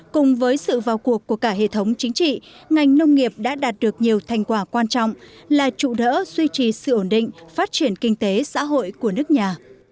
cùng với sự vào cuộc của cả hệ thống chính trị ngành nông nghiệp đã đạt được nhiều thành quả quan trọng là trụ đỡ duy trì sự ổn định phát triển kinh tế xã hội của nước nhà